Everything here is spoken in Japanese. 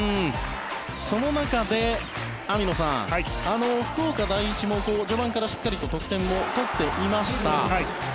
その中で網野さん福岡第一も序盤からしっかりと得点も取っていました。